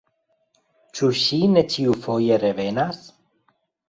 Ĉu ŝi ne ĉiufoje revenas?